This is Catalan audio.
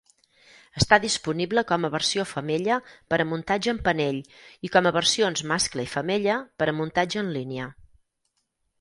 Està disponible com a versió femella per a muntatge en panell i com a versions mascle i femella per a muntatge en línia.